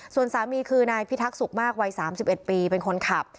ส่วนสามีคือนายพิทักษ์สุขมากวัยสามสิบเอ็ดปีเป็นคนขับ